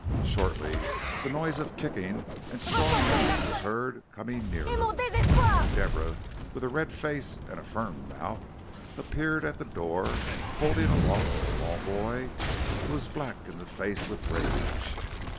Shortly, the noise of kicking and strong language was heard coming nearer, and Deborah, with a red face and a firm mouth, appeared at the door, holding aloft a small boy who was black in the face with rage.